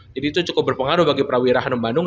jadi itu cukup berpengaruh bagi prawira hanum bandung